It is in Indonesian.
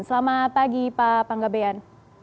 selamat pagi pak panggabean